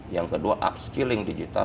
yang kedua upskilling digital